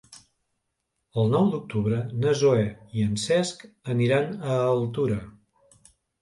El nou d'octubre na Zoè i en Cesc aniran a Altura.